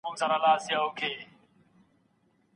واکمن باید د ناخوالو مخنیوی له پامه ونه غورځوي.